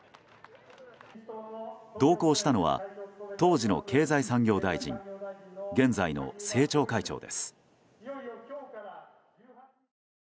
同行したのは当時の経済産業大臣現在の政調会長です。